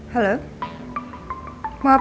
hanus ya guys